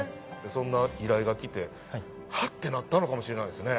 そんな依頼が来て「ハッ」てなったのかもしれないですね。